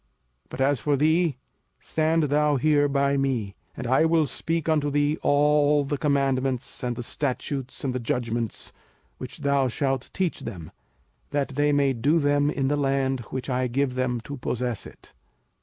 05:005:031 But as for thee, stand thou here by me, and I will speak unto thee all the commandments, and the statutes, and the judgments, which thou shalt teach them, that they may do them in the land which I give them to possess it.